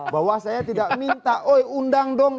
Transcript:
bahwa saya tidak minta oh undang dong